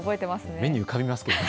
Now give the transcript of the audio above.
目に浮かびますけどね。